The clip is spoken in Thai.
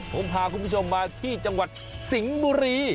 ผมพาคุณผู้ชมมาที่จังหวัดสิงห์บุรี